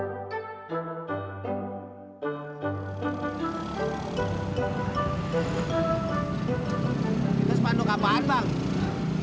itu spanduk apaan bang